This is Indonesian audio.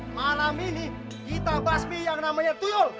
malam ini kita basmi yang namanya tuyul